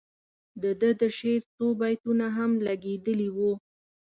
د ده د شعر څو بیتونه هم لګیدلي وو.